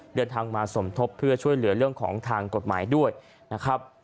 เดินทางมาสมทบเพื่อช่วยเหลือเรื่องของทางกฎหมายด้วยนะครับ